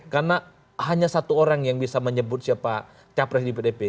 karena hanya satu orang yang bisa menyebut siapa capres di pdip